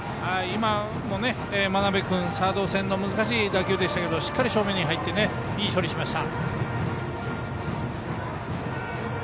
今も眞邉君サード線の難しい打球でしたけどしっかりと正面に入っていい処理をしました。